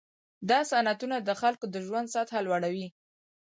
دا صنعتونه د خلکو د ژوند سطحه لوړوي.